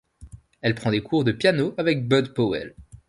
Elle prend des cours de piano avec Bud Powell.